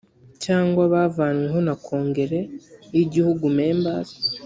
cyangwa bavanyweho na kongere y igihugu members